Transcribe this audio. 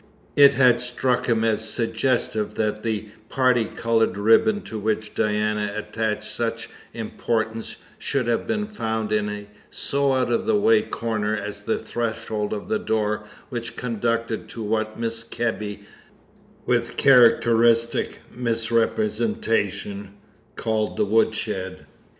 It had struck him as suggestive that the parti coloured ribbon to which Diana attached such importance should have been found in so out of the way a corner as the threshold of the door which conducted to what Mrs. Kebby, with characteristic misrepresentation, called the woodshed.